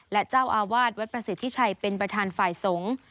และเจ้าอาวาสวัดประสิทธิชัยเป็นประธานฝ่ายสงฆ์